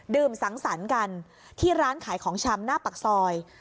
สังสรรค์กันที่ร้านขายของชำหน้าปากซอย